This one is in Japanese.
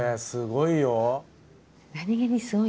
すごいよ。